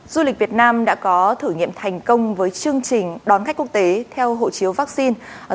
du lịch việt nam đã có thử nghiệm thành công với chương trình đón khách quốc tế theo hộ chiếu vaccine